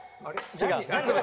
違う？